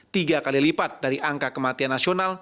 tiga kali lipat dari angka kematian nasional